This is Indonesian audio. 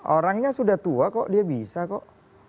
orangnya sudah tua kok dia bisa kok